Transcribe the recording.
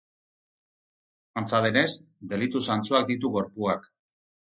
Antza denez, delitu zantzuak ditu gorpuak.